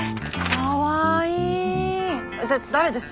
かわいい！って誰です？